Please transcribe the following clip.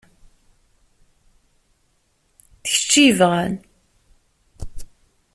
D kečč i yebɣan.